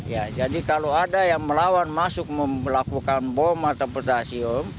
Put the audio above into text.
ya jadi kalau ada yang melawan masuk melakukan bom atau pedasium